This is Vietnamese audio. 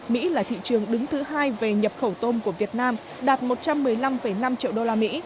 mỹ là thị trường đứng thứ hai về nhập khẩu tôm của việt nam đạt một trăm một mươi năm năm triệu đô la mỹ